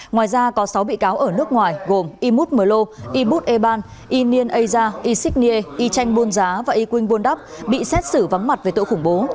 ngoài ra có sáu bị cáo ở nước ngoài gồm imut mơ lô imut eban inien eiza isiknie i chanh buôn giá và i quynh buôn đắp bị xét xử vắng mặt về tội khủng bố